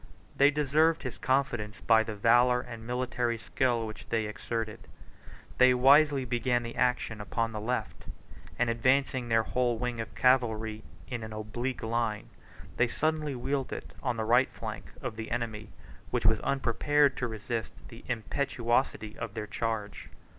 84 They deserved his confidence by the valor and military skill which they exerted. They wisely began the action upon the left; and advancing their whole wing of cavalry in an oblique line, they suddenly wheeled it on the right flank of the enemy, which was unprepared to resist the impetuosity of their charge.